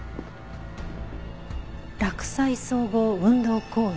洛西総合運動公園。